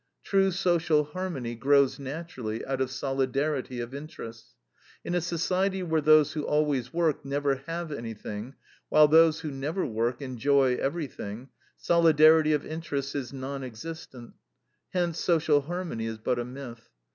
True social harmony grows naturally out of solidarity of interests. In a society where those who always work never have anything, while those who never work enjoy everything, solidarity of interests is non existent; hence social harmony is but a myth.